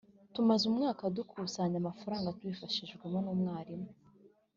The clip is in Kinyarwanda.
tumaze umwaka dukusanya amafaranga tubifashijwemo n’umwarimu